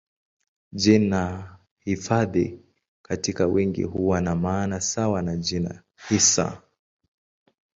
Jina hifadhi katika wingi huwa na maana sawa na jina hisa.